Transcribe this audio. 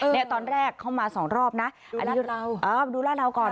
เนี่ยตอนแรกเข้ามาสองรอบนะอันนี้มาดูลาดราวก่อน